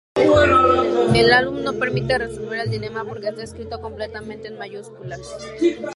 El álbum no permite resolver el dilema porque está escrito completamente en mayúsculas.